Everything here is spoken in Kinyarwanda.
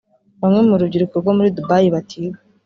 Bamwe mu rubyiruko rwo muri "Dubai"batiga